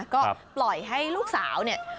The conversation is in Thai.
ก็ปล่อยให้ลูกสาวเนี่ย